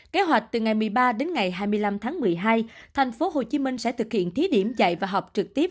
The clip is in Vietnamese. kế hoạch từ ngày một mươi ba đến ngày hai mươi năm tháng một mươi hai tp hcm sẽ thực hiện thí điểm dạy và học trực tiếp